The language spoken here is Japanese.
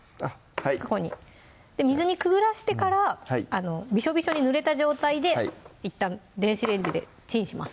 ここに水にくぐらせてからびしょびしょにぬれた状態でいったん電子レンジでチンします